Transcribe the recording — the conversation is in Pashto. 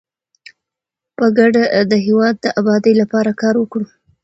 په ګډه د هیواد د ابادۍ لپاره کار وکړو.